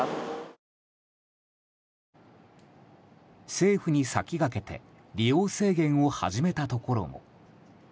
政府に先駆けて利用制限を始めたところも。